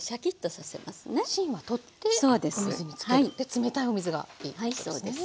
冷たいお水がいいってことですね。